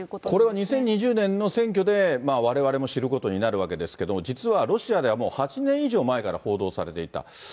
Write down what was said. これは２０２０年の選挙でわれわれも知ることになるわけですけれども、実はロシアではもう８年以上前から報道されていた。